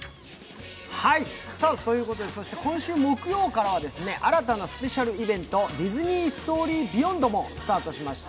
ということで今週木曜からは、新たなスペシャルイベント、ディズニー・ストーリー・ビヨンドもスタートしました。